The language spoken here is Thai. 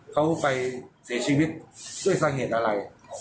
เขาไปเสียชีวิตด้วยสาเหตุอะไร